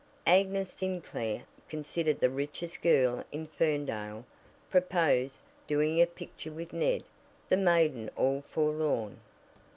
Agnes Sinclair, considered the richest girl in Ferndale, proposed "doing a picture" with Ned "The Maiden All Forlorn!"